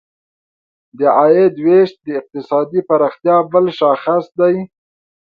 د عاید ویش د اقتصادي پراختیا بل شاخص دی.